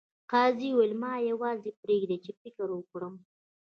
قاضي وویل ما یوازې پریږدئ چې فکر وکړم.